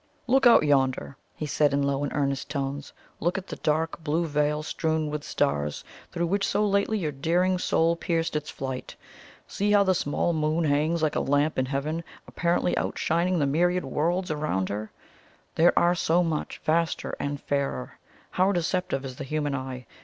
"Look out yonder." he said in low and earnest tones; "look at the dark blue veil strewn with stars, through which so lately your daring soul pierced its flight! See how the small Moon hangs like a lamp in Heaven, apparently outshining the myriad worlds around her, that are so much vaster and fairer! How deceptive is the human eye!